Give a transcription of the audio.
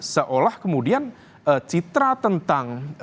seolah kemudian citra tentang